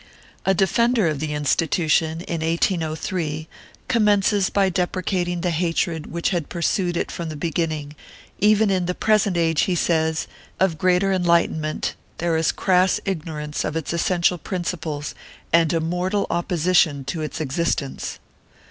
A defender of the institution, in 1803, commences by deprecating the hatred which had pursued it from the beginning; even in the present age, he says, of greater enlightenment, there is crass ignorance of its essential principles and a mortal opposition to its existence.